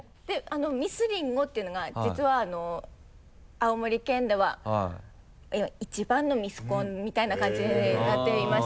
ミスりんごっていうのが実は青森県では一番のミスコンみたいな感じになっていまして。